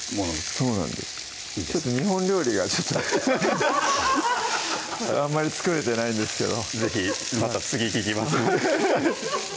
そうなんです日本料理がちょっとあんまり作れてないんですけど是非また次聞きますのでフフフフッ